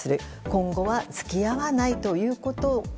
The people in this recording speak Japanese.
今後は付き合わないということ。